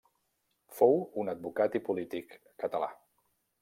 Fou un advocat i polític català.